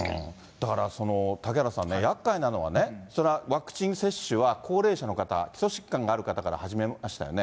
だからその嵩原さんね、やっかいなのはね、ワクチン接種は高齢者の方、基礎疾患がある方から始めましたよね。